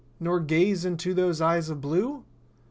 Nor gaze into those eyes of blue?